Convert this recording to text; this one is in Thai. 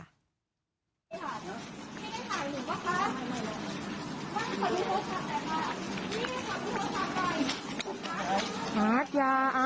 ให้กันถ่ายหรือเปล่าคะ